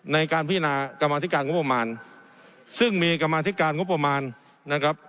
ในการพินากรรมธิการงบประมาณซึ่งมีกรรมาธิการงบประมาณนะครับ